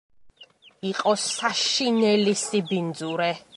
იყო საშინელი სიბინძურე.